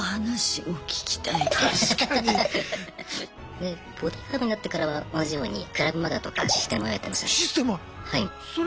でボディーガードになってからは同じようにクラブマガとかシステマをやってましたね。